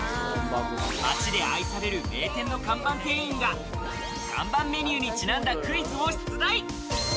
街で愛される名店の看板店員が、看板メニューにちなんだクイズを出題。